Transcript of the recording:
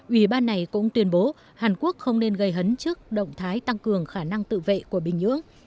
ủy ban này cũng tuyên bố hàn quốc không nên gây hấn trước động thái tăng cường khả năng tự vệ của bình nhưỡng